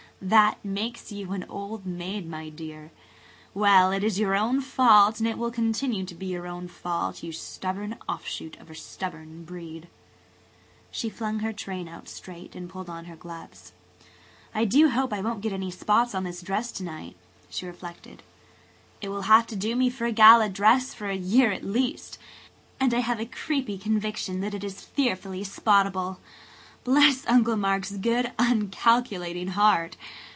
That makes you an old maid, my dear. Well, it is your own fault, and it will continue to be your own fault, you stubborn offshoot of a stubborn breed!" She flung her train out straight and pulled on her gloves. "I do hope I won't get any spots on this dress to night," she reflected. "It will have to do me for a gala dress for a year at least–and I have a creepy conviction that it is fearfully spottable. Bless Uncle Mark's good, uncalculating heart!